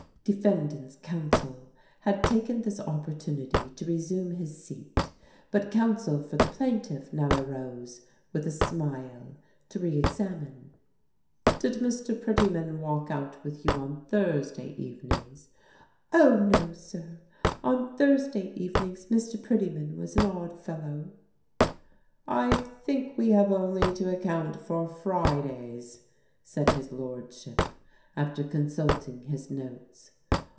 Defendant's counsel had taken this opportunity to resume his seat. But counsel for the plaintiff now arose, with a smile, to re examine. "Did Mr. Pretyman walk out with you on Thursday evenings?" "Oh no, sir. On Thursday evenings Mr. Pretyman was an Oddfellow." "I think we have only to account for Fridays," said his lordship, after consulting his notes.